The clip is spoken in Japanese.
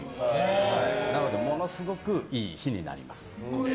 なのでものすごくいい日になります。